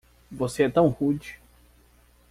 Você é tão rude!